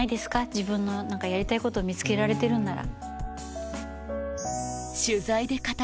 自分のやりたいこと見つけられてるなら。